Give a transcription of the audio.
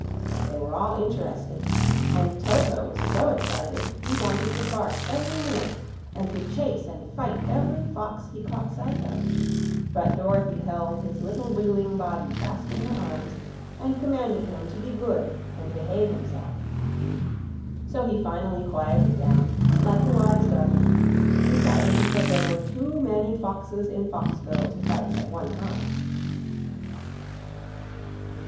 They were all interested, and Toto was so excited he wanted to bark every minute and to chase and fight every fox he caught sight of; but Dorothy held his little wiggling body fast in her arms and commanded him to be good and behave himself. So he finally quieted down, like a wise doggy, deciding there were too many foxes in Foxville to fight at one time.